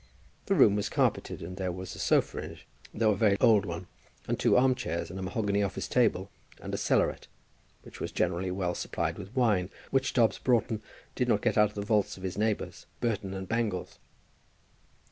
The room was carpeted, and there was a sofa in it, though a very old one, and two arm chairs and a mahogany office table, and a cellaret, which was generally well supplied with wine which Dobbs Broughton did not get out of the vaults of his neighbours, Burton and Bangles.